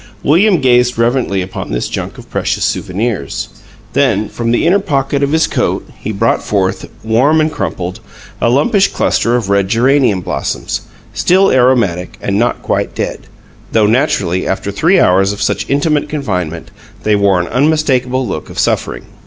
William gazed reverently upon this junk of precious souvenirs; then from the inner pocket of his coat he brought forth, warm and crumpled, a lumpish cluster of red geranium blossoms, still aromatic and not quite dead, though naturally, after three hours of such intimate confinement, they wore an unmistakable look of suffering.